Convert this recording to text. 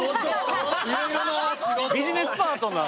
ビジネスパートナー。